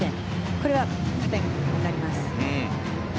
これは加点になります。